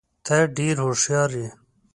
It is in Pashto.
ته ډېر هوښیار یې.